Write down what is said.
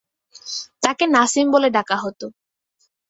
তাঁকে নাসিম বলে ডাকা হত।